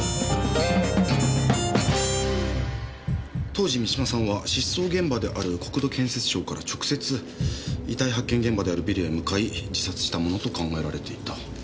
当時三島さんは失踪現場である国土建設省から直接遺体発見現場であるビルへ向かい自殺したものと考えられていた。